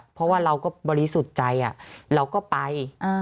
เพราะว่าเราก็บริสุทธิ์ใจเราก็ไป